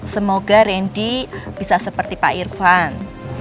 semoga randy bisa seperti pak irfan